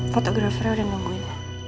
fotografernya udah nungguin